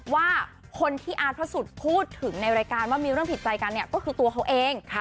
ว่าคนที่อาร์ตพระสุทธิ์พูดถึงในรายการว่ามีเรื่องผิดใจกันเนี่ยก็คือตัวเขาเอง